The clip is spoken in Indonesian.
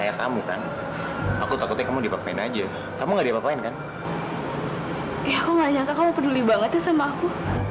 ya aku gak nyangka kamu peduli banget ya sama aku